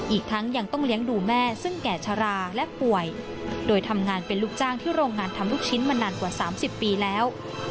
อีกทั้งยังต้องเลี้ยงดูแม่ซึ่งแก่ชะลาและป่วยโดยทำงานเป็นลูกจ้างที่โรงงานทำลูกชิ้นมานานกว่า๓๐ปีแล้ว